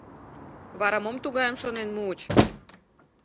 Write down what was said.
— Вара мом тугайым шонен муыч?